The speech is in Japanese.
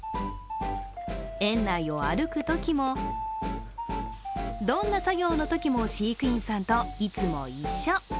園内を歩くときもどんな作業のときも飼育員さんといつも一緒。